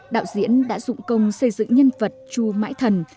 đạo diễn đã dụng công xây dựng nhân vật chu mãi thần